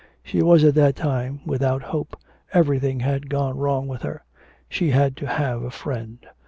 She was at that time without hope, everything had gone wrong with her. She had to have a friend....